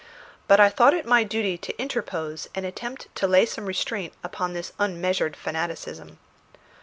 But I thought it my duty to interpose and attempt to lay some restraint upon this unmeasured fanaticism.